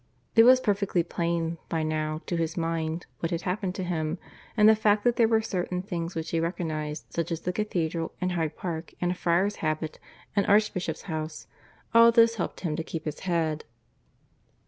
It was perfectly plain, by now, to his mind, what had happened to him; and the fact that there were certain things which he recognized, such as the Cathedral, and Hyde Park, and a friar's habit, and Archbishop's House all this helped him to keep his head.